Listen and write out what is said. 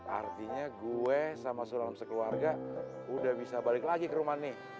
artinya gue sama sulam sekeluarga udah bisa balik lagi ke rumah nih